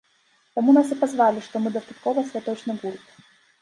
Таму нас і пазвалі, што мы дастаткова святочны гурт.